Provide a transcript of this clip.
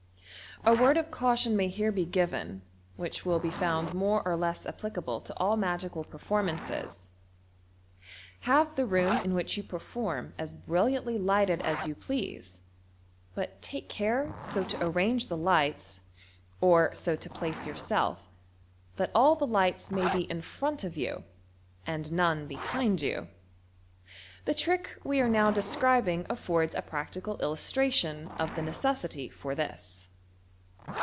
A word of caution mav here be dven, which will b^ fotmd more r less applicable to all magical pertormances. Have the room in which you perform as brilliantly lighted as you please, but take care bo to arrange the lights, or so to place yourself, that all the lights may be in front of you, ana none oenind you. The trick we are now describing affords a practical illustration of the necessity for this.